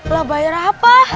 lah bayar apa